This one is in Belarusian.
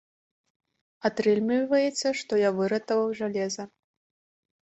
Атрымліваецца, што я выратаваў жалеза.